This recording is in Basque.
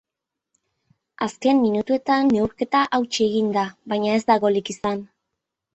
Azken minutuetan neurketa hautsi egin da, baina ez da golik izan.